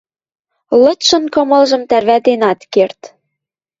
Лыдшын кымылжым тӓрвӓтен ат керд.